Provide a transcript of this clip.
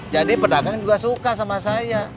jadi pedagang juga suka sama saya